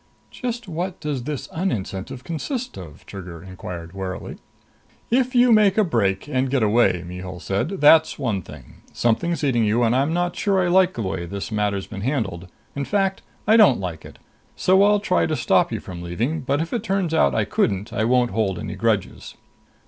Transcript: "Just what does this un incentive consist of?" Trigger inquired warily. "If you make a break and get away," Mihul said, "that's one thing. Something's eating you, and I'm not sure I like the way this matter's been handled. In fact, I don't like it. So I'll try to stop you from leaving, but if it turns out I couldn't, I won't hold any grudges.